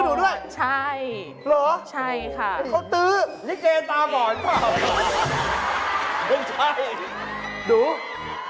หนูขัดมอตชื่ออะไรลูก